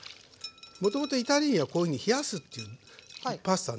もともとイタリーにはこういうふうに冷やすっていうパスタはないんです。